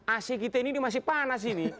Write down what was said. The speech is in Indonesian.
ac kita ini masih panas ini